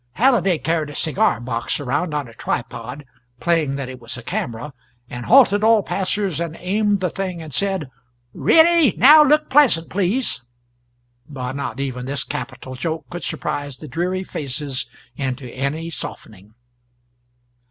Halliday carried a cigar box around on a tripod, playing that it was a camera, and halted all passers and aimed the thing and said "Ready! now look pleasant, please," but not even this capital joke could surprise the dreary faces into any softening.